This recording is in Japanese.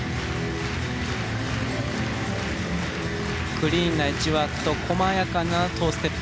クリーンなエッジワークと細やかなトーステップ